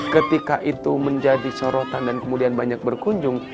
ketika itu menjadi sorotan dan kemudian banyak berkunjung